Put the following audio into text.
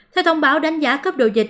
theo thông báo đánh giá cấp độ dịch